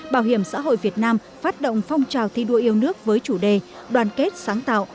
bảo hiểm xã hội việt nam phát động phong trào thi đua yêu nước với chủ đề đoàn kết sáng tạo